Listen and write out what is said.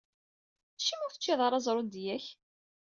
Acimi ur teččiḍ ara zrudeyya-k?